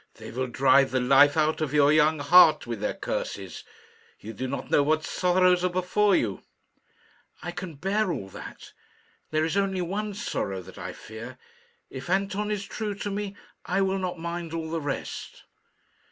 They will drive the life out of your young heart with their curses. You do not know what sorrows are before you." "I can bear all that. There is only one sorrow that I fear. If Anton is true to me, I will not mind all the rest."